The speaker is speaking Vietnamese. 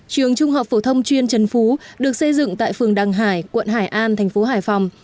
trường trung học phổ thông chuyên trần phú được xây dựng tại phường đăng hải quận hải an thành phố hải phòng